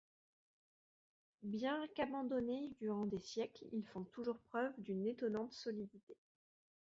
Bien qu'abandonnés durant des siècles, ils font toujours preuve d'une étonnante solidité.